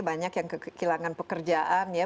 banyak yang kehilangan pekerjaan ya